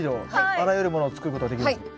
あらゆるものを作ることができるんですか？